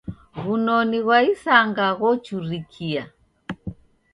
W'unoni ghwa isanga ghochurikia.